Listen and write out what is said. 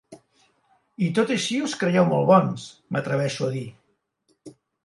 I tot i així us creieu molt bons, m'atreveixo a dir!